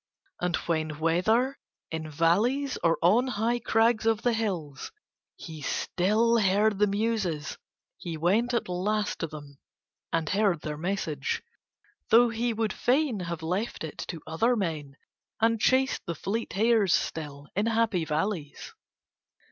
And when whether in valleys or on high crags of the hills he still heard the Muses he went at last to them and heard their message, though he would fain have left it to other men and chased the fleet hares still in happy valleys.